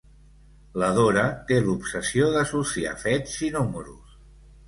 La Dora té l'obsessió d'associar fets i números.